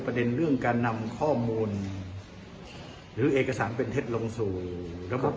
ประเด็นเรื่องการนำข้อมูลหรือเอกสารเป็นเท็จลงสู่ระบบ